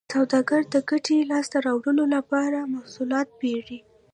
سوداګر د ګټې لاسته راوړلو لپاره محصولات پېري